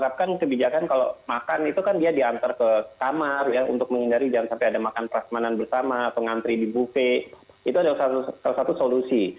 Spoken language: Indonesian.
kebijakan kalau makan itu kan dia diantar ke kamar ya untuk menghindari jangan sampai ada makan perasmanan bersama atau ngantri di buffe itu adalah salah satu solusi